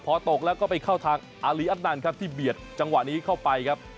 พอตกแล้วก็ไปเข้าทางอารีอัตนันครับที่เบียดจังหวะนี้เข้าไปครับ